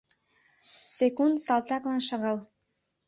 Секунд салтаклан шагал.